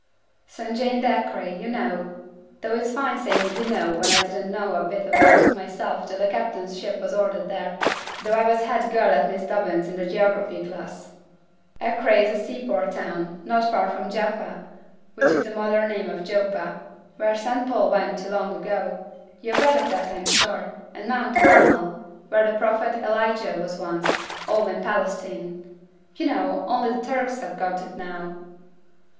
'St Jean d'Acre, you know though it's fine saying "you know", when I didn't know a bit about it myself till the captain's ship was ordered there, though I was the head girl at Miss Dobbin's in the geography class Acre is a seaport town, not far from Jaffa, which is the modern name for Joppa, where St Paul went to long ago; you've read of that, I'm sure, and Mount Carmel, where the prophet Elijah was once, all in Palestine, you know, only the Turks have got it now?'